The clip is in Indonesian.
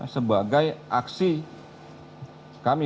sebagai aksi kami